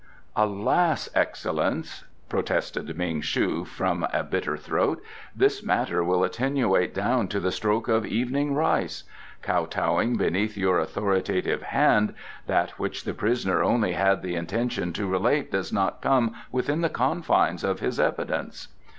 "Alas, Excellence," protested Ming shu from a bitter throat, "this matter will attenuate down to the stroke of evening rice. Kowtowing beneath your authoritative hand, that which the prisoner only had the intention to relate does not come within the confines of his evidence."